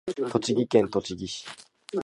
栃木県栃木市